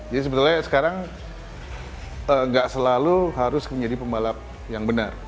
jadi sebetulnya sekarang nggak selalu harus menjadi pembalap yang benar